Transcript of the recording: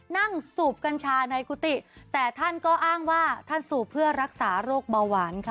สูบกัญชาในกุฏิแต่ท่านก็อ้างว่าท่านสูบเพื่อรักษาโรคเบาหวานค่ะ